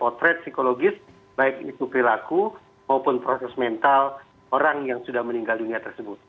jadi ini adalah otopsi psikologis baik itu perilaku maupun proses mental orang yang sudah meninggal dunia tersebut